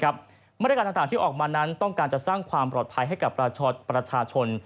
มาตรการต่างที่ออกมานั้นต้องการจะสร้างความปลอดภัยให้กับประชาชน